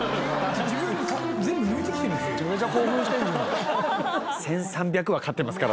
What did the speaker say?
自分全部抜いてきてるんですよ